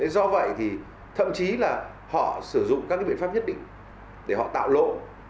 do vậy thì thậm chí là họ sử dụng các biện pháp nhất định để họ tạo lỗ